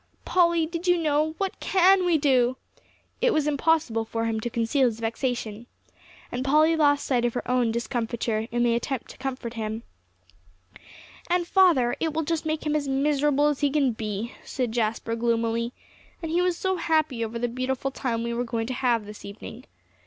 "Polly, did you know? What can we do?" It was impossible for him to conceal his vexation. And Polly lost sight of her own discomfiture, in the attempt to comfort him. "And father it will just make him as miserable as can be," said Jasper gloomily. "And he was so happy over the beautiful time we were going to have this evening."